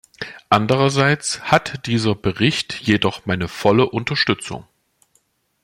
Andererseits hat dieser Bericht jedoch meine volle Unterstützung.